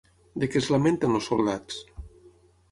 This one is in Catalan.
De què es lamenten els soldats?